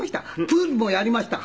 プールもやりました。